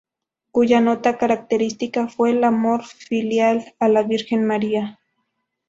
Cuya nota característica fue el amor filial a la Virgen María.